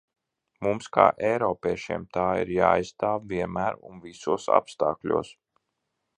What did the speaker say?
Mums kā eiropiešiem tā ir jāaizstāv vienmēr un visos apstākļos.